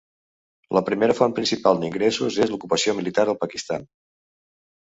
La primera font principal d'ingressos és l'ocupació militar al Pakistan.